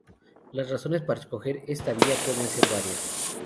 Las razones para escoger esta vía pueden ser varias.